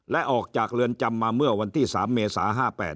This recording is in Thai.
และออกจากเรือนจำมาเมื่อวันที่๓เมษา๕๘